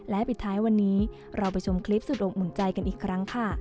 และปิดท้ายวันนี้เราไปชมคลิปสุดอบอุ่นใจกันอีกครั้งค่ะ